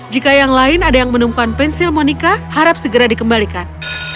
jika yang lain ada yang menemukan pensil monica harap segera dikembalikan